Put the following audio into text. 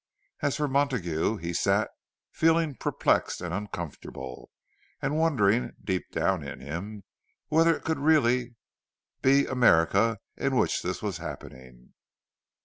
As for Montague, he sat, feeling perplexed and uncomfortable, and wondering, deep down in him, whether it could really be America in which this was happening.